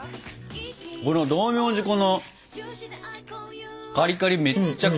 この道明寺粉のカリカリめっちゃくちゃ合いますね。